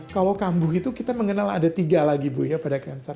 kalau kambuh itu kita mengenal ada tiga lagi bu ya pada cancer